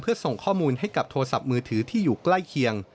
เพื่อส่งข้อมูลให้กับโทรศัพท์มือถือที่อยู่ใกล้เคียง